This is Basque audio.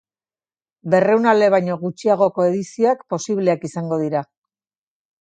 Berrehun ale baino gutxiagoko edizioak posibleak izango dira.